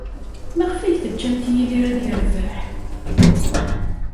Maɣef ay teǧǧamt Yidir ad yerbeḥ?